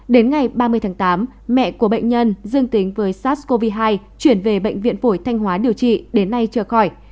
đến ngày ba mươi tháng tám mẹ của bệnh nhân dương tính với sars cov hai chuyển về bệnh viện phổi thanh hóa điều trị đến nay chờ khỏi